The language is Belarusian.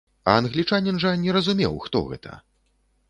А англічанін жа не разумеў, хто гэта.